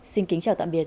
xin kính chào tạm biệt